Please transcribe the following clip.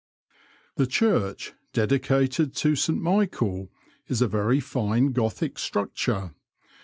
The church, dedicated to St Michael, is a very fine Gothic structure.